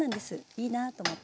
いいなと思って。